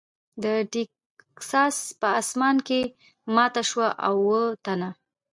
د ټیکساس په اسمان کې ماته شوه او اووه تنه .